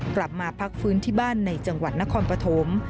กลับมาพักฟื้นที่บ้านในจังหวัดนครปฐม